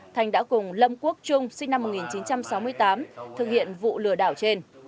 thành đã cùng lâm quốc trung sinh năm một nghìn chín trăm sáu mươi tám thực hiện vụ lừa đảo trên